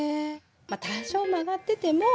まっ多少曲がってても。